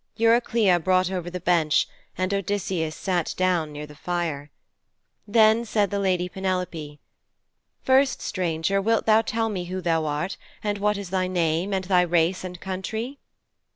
Eurycleia brought over the bench, and Odysseus sat down near the fire. Then said the lady Penelope, 'First, stranger, wilt thou tell me who thou art, and what is thy name, and thy race and thy country?'